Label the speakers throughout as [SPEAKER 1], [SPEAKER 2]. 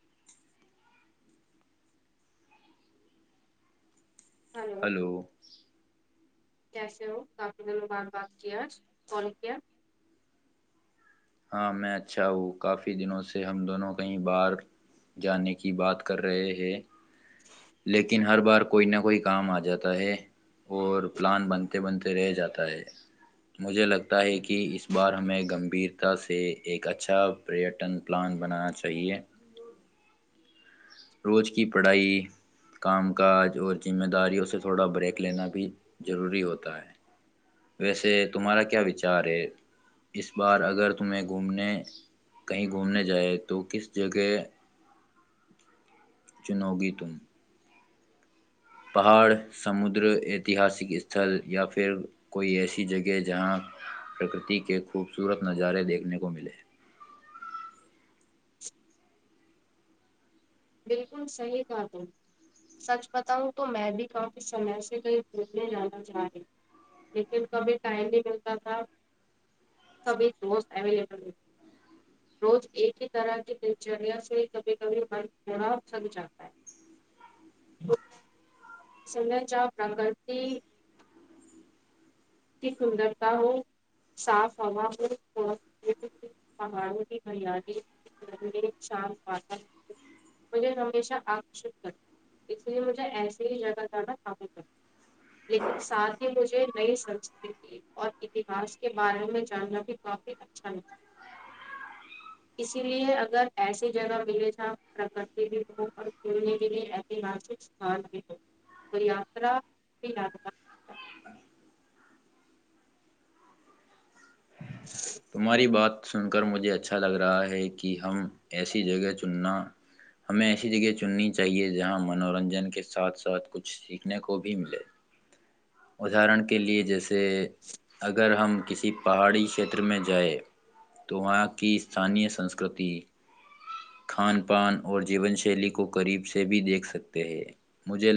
[SPEAKER 1] [unintelligible] hello
[SPEAKER 2] کیسے ہو کافی د مبار بات کیاج کال کیا
[SPEAKER 1] ہاں میں اچھا ہوں کافی دنوں سے ہم دونوں کہیں بار جانے کی بات کر رہے ہیں لیکن ہر بار کوئی نہ کوئی کام آ جاتا ہے اور پلان بنتے بنتے رہ جاتا ہے مجھے لگتا ہے کہ اس بار ہمیں گمبھیر سے ایک اچھا پریٹن پلان بنانا چاہیے روز کی پڑھائی کام کاج اور ذمہ داریوں سے تھوڑا بریک لینا بھی ضروری ہوتا ہے ویسے تمہارا کیا وچار ہے اس بار اگر تمہیں گھومنے کہیں گھومنے جائے تو کس جگہ چنو گی تم [unintelligible] پہاڑ سمندر ایتہاسک استھل یا پھر کوئی ایسی جگہ جہاں پرکرتی کے خوبصورت نظارے دیکھنے کو ملے
[SPEAKER 2] [inaudible] بالکل صحیح تھا ت سچ بتاؤں تو میں بھی کافی سمے سے کہیں گھومنے جانا چاہ رہی لیکن کبھی ٹائم نہیں ملتا تھا کبھی دوست اویلیبل روز ایک ہی طرح کی دلچریا سے کبھی کبھیر تھوڑا سب چاہتا ہے [inaudible] جا پرکرتی کی سندرتا ہو صاف ہوا ہو پہاڑوں کی ہریالیان و مجھے ہمیشہ آکش کر اس لیے مجھے ایسے [inaudible] جگہ جافی لیکن ساتھ ہی مجھے نئی سنسکرتی اور اتہاس کے بارے میں جاننا بھی کافی اچھا لگتا اسی لیے اگر ایسی جگہ ملے جا پرکرتی بھی ہو اور کھیلنے کے لیے ایتہاسکان [inaudible] اور یاتایا [inaudible]
[SPEAKER 1] تمہاری بات سن کر مجھے اچھا لگ رہا ہے کہ ہم ایسی جگہ چننا ہمیں ایسی جگہ چننی چاہیے جہاں منورنجن کے ساتھ ساتھ کچھ سیکھنے کو بھی ملے ادہرن کے لیے جیسے کہ اگر ہم کسی پہاڑی چھیتر میں جائے تو وہاں کی اسھانی سنسکرتی کھان پان اور جیون شیلی کو قریب سے بھی دیکھ سکتے ہیں مجھے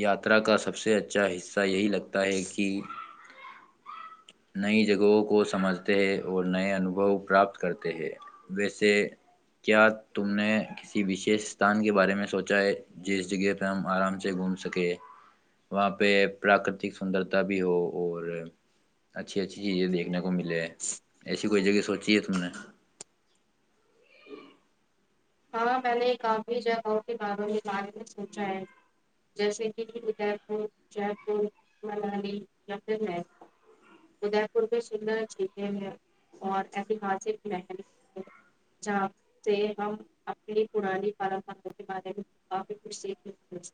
[SPEAKER 1] یاترا کا سب سے اچھا حصہ یہی لگتا ہے کہ نئی جگہوں کو سمجھتے ہیں اور نئے انوبو پراپت کرتے ہیں ویسے کیا تم نے کسی وشش اسھان کے بارے میں سوچا ہے جس جگہ پہ ہم آرام سے گھوم سکے وہاں پہ پراکرتک سندرتا بھی ہو اور اچھی اچھی چیزیں دیکھنے ملے ایسی کوئی جگہ سوچے تھا نے [inaudible]
[SPEAKER 2] ہاں میں نے کافی جگہوں کے بار کے بارے میں سوچا ہے جیسے کہ ادے پور جے پور ملالی یا پھر ادے پور میں سندر جیلیں ہیں اور ایتہاسک محل ہے جہاں سے ہم [inaudible] اپنیانی پرمپرا کے بارے میں کافی کچھ سیکھنے کو ملک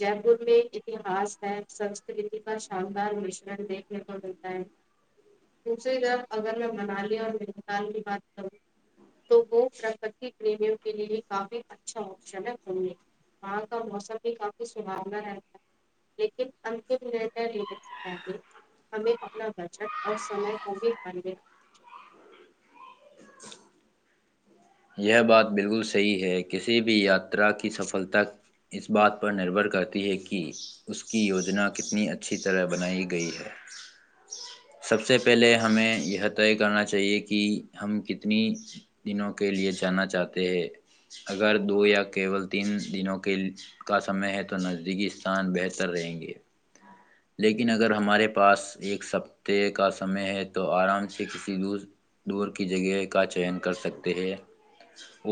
[SPEAKER 2] جے پور میں اتہاس ہے سنسکرتی کا شاندار مشرن دیکھنے کو ملتا ہے دوسری طرف اگر میں منالی اور مینگال کی بات کروں تو وہ [inaudible] پریمیوں کے لیے کافی اچھا آپشن ہے ہوں گے وہاں کا موسم بھی کافی سہونا رہتا ہے لیکن اتم نر لینے سے پہلے ہمیں اپنا بجٹ اور سم کو بھی میں رکھنا [inaudible]
[SPEAKER 1] یہ بات بالکل صحیح ہے کسی بھی یاترا کی سفلتا اس بات پر نربھر کرتی ہے کہ اس کی یوجنا کتنی اچھی طرح بنائی گئی ہے سب سے پہلے ہمیں یہ طے کرنا چاہیے کہ ہم کتنی دنوں کے لئے جانا چاہتے ہیں اگر دو یا کیول تین دنوں کا سمے ہے تو نزدیکی ستان بہتر رہیں گے لیکن اگر ہمارے پاس ایک سفتے کا سمے ہے تو آرام سے کسی دور کی جگہ کا چن کر سکتے ہے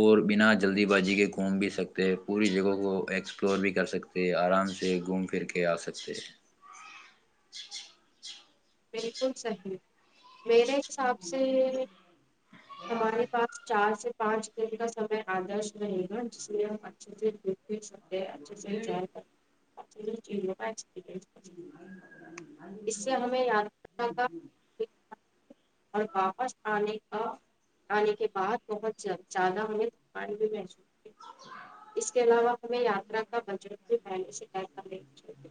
[SPEAKER 1] اور بنا جلدی بازی کے گھوم بھی سکتے ہیں پوری جگہ کو ایکسپلور بھی کر سکتے ہیں آرام سے گھوم پھر کے آ سکتے ہیں
[SPEAKER 2] بالکل صحیح میرے حساب سے ہمارے پاس چار سے پانچ دن کا سمے آدرش رہے گا جس لیے ہم اچھے سے سھ سکتے ہیں اچھے سے جا تک [inaudible] جی [inaudible]
[SPEAKER 1] [inaudible]
[SPEAKER 2] میں یاد کرنا تھا [inaudible] اور واپس آنے کا آنے کے بعد بہت زیادہ ہمیں تھک بھی محسوس اس کے علاوہ ہمیں یاترا کا بجٹ بھی پہلے سے ط کر چاہیے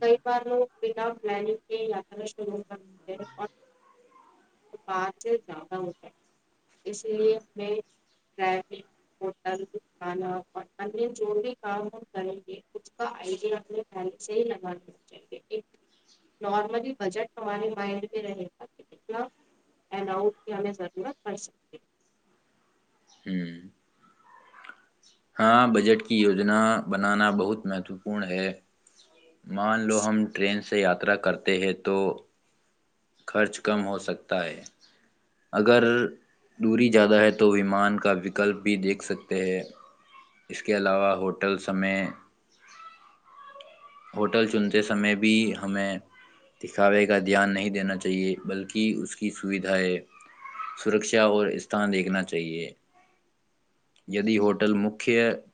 [SPEAKER 2] کئی بار لوگ ودٹلنگ یاتا شروع کر [inaudible] ج اور [unintelligible] سے زیادہ ہو جائے اس لیے ہمیںٹ ہوٹل کھانا اوریہ جو بھی کام ہم کریں گے اس کا آئیڈیا اپنے پل سے ہی لگانا چاہیے ایک نارملی بجٹ ہمارے مائنڈ میں رہے ج [inaudible] الاؤٹ کیا ہمیں ضرورت پڑ سکتی ہے [inaudible]
[SPEAKER 1] ہوں ہاں بجٹ کی یوجنا بنانا بہت مہتوپورن ہے مان لو ہم ٹرین سے یاترا کرتے ہیں تو خرچ کم ہو سکتا ہے اگر دوری زیادہ ہے تو ومان کا وکلپ بھی دیکھ سکتے ہیں اس کے علاوہ ہوٹل سے ہوٹل چنتے سمے بھی ہمیں دکھاوے کا دھیان نہیں دینا چاہیے بلکہ اس کی سوھایں سرکا اور اسھان دیکھنا چاہیے دی ہوٹل مکت مک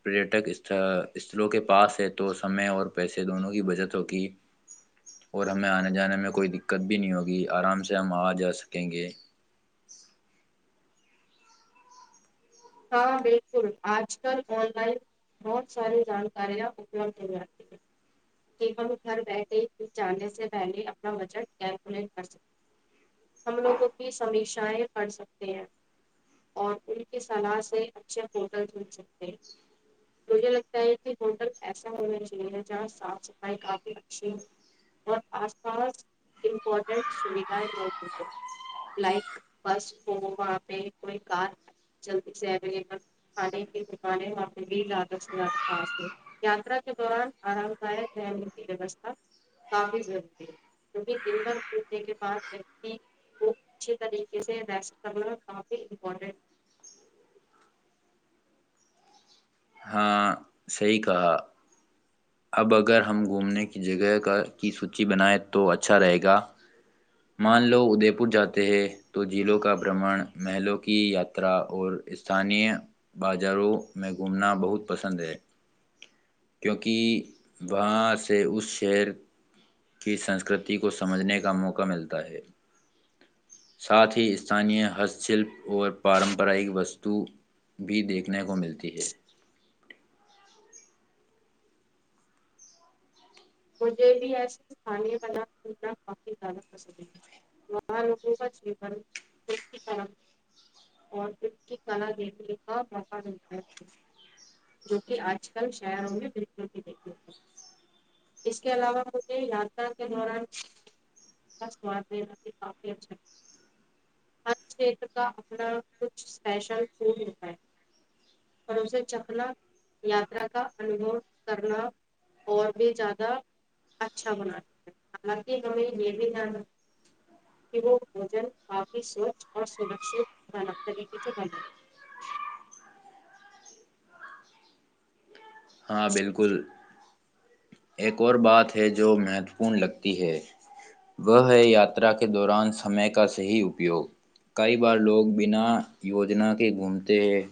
[SPEAKER 1] پٹک اس استلوں کے پاس ہے تو سمے اور پیسے دونوں کی بچت ہوگی اور ہمیں آنے جانے میں کوئی دقت بھی نہیں ہوگی آرام سے ہم آ جا سکیں گے [unintelligible]
[SPEAKER 2] ہاں بالکل آج کل آن لائن بہت ساری جانکاریاں اپلبھ ہو جاتی ہیں کہ ہم گھر بیٹھے جانے سے پہلے اپنا بجٹ کیلکولیٹ کر سکتے ہم لوگوں کی سیشایں پڑ سکتے ہیں اور ان کے سلاح سے اچھے ہوٹل کھیل سکتے ہیں مجھے لگتا ہے کہ ہوٹل ایسا ہونا چاہیے جہاں صاف صفائی کافی اچھی ہو اور آس پاس امپورٹنٹ سویدھائیں موجود ہ لائک بس ہو وہاں پہ کوئی کار جلی سے اویبل کھانے کی دکانےاں بھی زیادہ سے زیادہ پس ہو یاترا کے دوران آرام دائ رہنے کی ویوستھا کافی ضری ہے کیکہ دن بھر پٹنے کے بعد کو اچھی طریقے سے ریسٹ کرنا کافی امپٹٹ
[SPEAKER 1] صیح کہا اب اگر ہم گھومنے کی جگہ کا کی سوچی بنائے تو اچھا رہے گا مان لو ادے پور جاتے ہیں تو جھیلوں کا برمن محلوں کی یاترا اور استانییہ بازاروں میں گھومنا بہت پسند ہے کیونکہ وہاں سے اس شہر کی سنسکرتی کو سمجھنے کا موقع ملتا ہے ساتھ ہی استانییہ ہست شلپ اور پارمپراک وستو بھی دیکھنے کو ملتی ہے
[SPEAKER 2] مجھے بھی ایسے اسانی بلاننا کافی زیادہ پسند ہے وہاں لوگوں کا چ اور کی کلا دیکھنے کا موقع ملتا ہے جو کہ آج کل شہروں میں بالکل بھی دیکھتے تھ اس کے علاوہ مجھے یاترا کے دوران سادین کافی اچھا ہرت کا اپنا کچھ اسپیشل فڈ ہوتا ہے اور اسے چکھنا یاترا کا انو کرنا اور بھی اچھا بنات ہے حالانکہ ہمیں یہ بھی دان رکھ کہ وہ بوجن کافی سوچھ اور سرکشت طریقے سے بنے
[SPEAKER 1] ہاں بالکل ایک اور بات ہے جو مہتوپورن لگتی ہے وہ ہے یاترا کے دوران سمے کا صحیح اپیوگ کئی بار لوگ بنا یوجنا کے گھومتے ہیں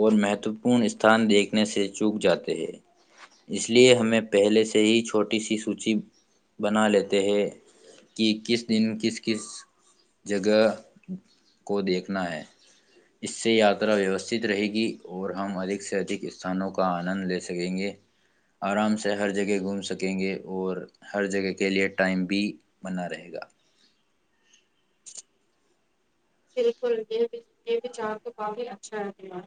[SPEAKER 1] اور مہتوپورن اسھان دیکھنے سے چوک جاتے اس لیے ہمیں پہلے سے ہی چھوٹی سی سوچی بنا لیتے ہیں کہ کس دن کس کس جگہ کو دیکھنا ہے اس سے یاترا ویوستھت رہے گی اور ہم ادک سے ادھک استھانوں کا آنند لیتے سکیں گے آرام سے ہر جگہ گھوم سکیں گے اور ہر جگہ کے لئے ٹائم بھی بنا رہے گا
[SPEAKER 2] [unintelligible] بالکل یہ یہ وچار تو کافی اچھا ہے تار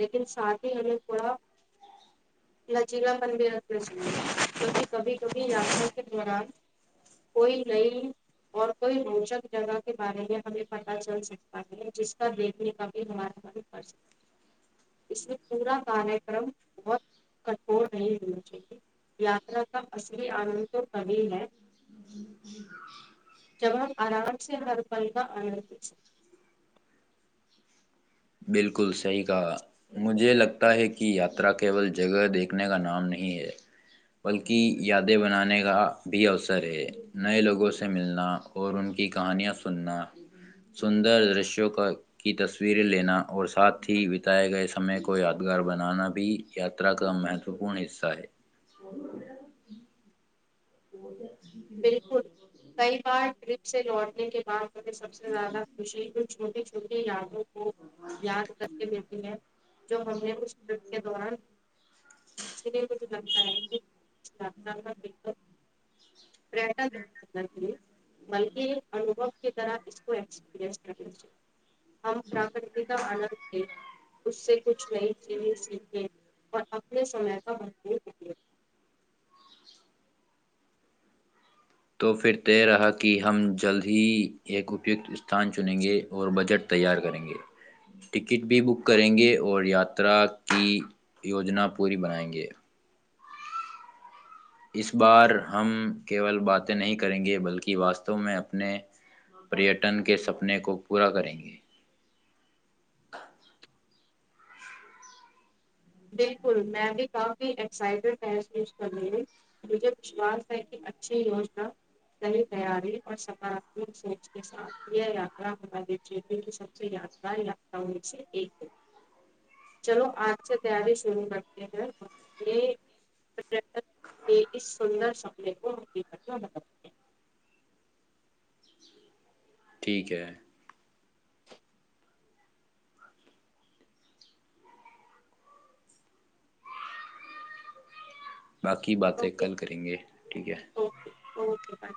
[SPEAKER 2] لیکن ساتھ ہی ہمیں تھوڑا لچیلا پن بھی رکھنا چاہیے کیوںکہ کبھی کبھی یاترا کے دوران کوئی نئی اور کوئی روچک جگہ کے بارے میں ہمیں پ ل سکتا ہے جس کا دیکھنے کاھی ہمارا من کر سکتا ہے اس میں پورا ک کرم بہت کٹھور نہیں ہونا چاہیے یاترا کا اصلی آنند تو کبھی ہے جب ہم آرام سے ہر پل کا آند [unintelligible]
[SPEAKER 1] بالکل صحیح کہا مجھے لگتا ہے کہ یاترا کیول جگہ دیکھنے کا نام نہیں ہے بلکہ یادیں بنانے کا بھی اوسر ہے نئے لوگوں سے ملنا اور ان کی کہانیاں سننا سندر درشوں کا کی تصویریں لینا اور ساتھ ہی بتاائے گئے سمے کو یادگار بنانا بھی یاتا کا مہتوپورن حصہ ہے وہ بک [unintelligible]
[SPEAKER 2] بالکل کئی بار ٹرپ سے لوٹنے کے بعد سب سے زیادہ خش کچ چھوٹی چھوٹی یادوں کو یاد کر کے دیتی ہے جو ہم نے اس ٹرپ کے دوران اس لیے مجھے لگتا ہے کہ کا ٹا م [unintelligible] کے انوبو کی طرح اس کو ایکسپیرنس کرنا چاہیے ہم پراکرت کا آنند تھے اس سے کچھ نئی چیزیں سیکھیں اپنے سمے کا مت دیے
[SPEAKER 1] تو پھر طے رہا کہ ہم جلد ہی ایک اپکت اسھان چنیں گے اور بجٹ تیار کریں گے ٹکٹ بھی بک کریں گے اور یاترا کی یوجنا پوری بنائیں گے اس بار ہم کیول باتیں نہیں کریں گے بلکہ واستو میں اپنے پریٹن کے سپنے کو پورا کریں گے
[SPEAKER 2] بالکل میں بھی کافی ایکسائٹیڈ محسوس کر رہ ہوں مجھے وشوس ہے کہ اچھی یوجنا سی تیاری اور سکاراتمک سوچ کے ساتھ یہ یاا ہمارے چی کی سب سے یادگار یاا میں سے ایک ہے چلو آج سے تیاری شرو کرتے ہیںنے پٹک کے اس سندر سپنے کو حقیقت میں بتے ہیں
[SPEAKER 1] ٹھیک ہے باقی
[SPEAKER 2] ہیں
[SPEAKER 1] باتیں
[SPEAKER 2] اوکے
[SPEAKER 1] کل کریں گے ٹھیک ہے
[SPEAKER 2] اکے بائے